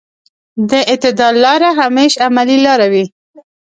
د اعتدال لاره همېش عملي لاره وي.